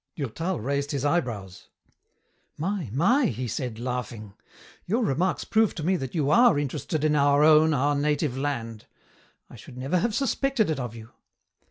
Durtal raised his eyebrows. "My, my," he said, laughing. "Your remarks prove to me that you are interested in 'our own, our native land.' I should never have suspected it of you."